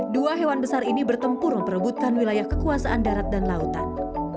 dua hewan besar ini bertempur memperebutkan wilayah kekuasaan darat dan lautan